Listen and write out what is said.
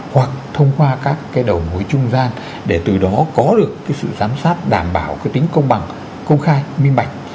hoặc thông qua các cái đầu mối trung gian để từ đó có được cái sự giám sát đảm bảo cái tính công bằng công khai minh bạch